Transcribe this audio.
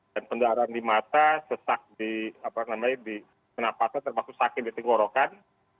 dan pendarahan di mata sesak di penampatan termasuk sakit di tenggorokan